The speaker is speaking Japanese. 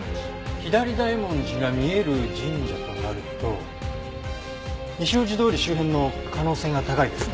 左大文字が見える神社となると西大路通り周辺の可能性が高いですね。